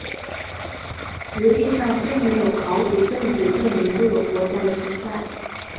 实际上并没有考古证据证明这个国家的存在。